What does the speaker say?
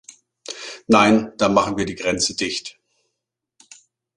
Nein, da machen wir die Grenze dicht!